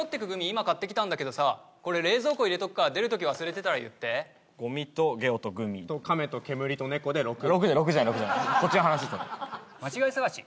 今買ってきたんだけどさこれ冷蔵庫入れとくから出るとき忘れてたら言ってごみとゲオとグミと亀と煙と猫で６６じゃない６じゃないこっちの話それ・間違い探し？